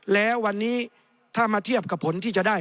แล้ววันนี้ถ้ามาเทียบกับผลที่จะได้